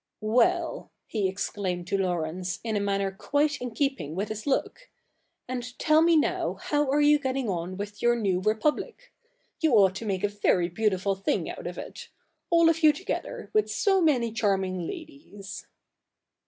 ' Well," he exclaimed to Laurence, in a manner quite in keeping with his look, ' and tell me now how are you getting on with your new Republic? You ought to make a very beautiful thing out of it — all of you together, with so many charming ladies."